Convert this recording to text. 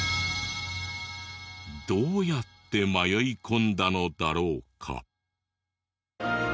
どうやって迷い込んだのだろうか？